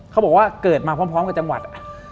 เขาบอกว่าเกิดมาพร้อมกับจังหวัด